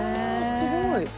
すごい！」